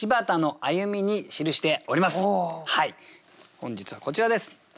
本日はこちらです。